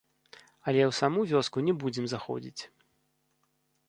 Але ў саму вёску не будзем заходзіць.